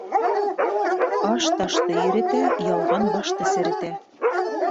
Аш ташты иретә, ялған башты серетә.